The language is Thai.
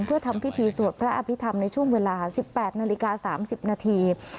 เพื่อทำพิธีสวดพระอภิษฐรรมในช่วงเวลาสิบแปดนาฬิกาสามสิบนาที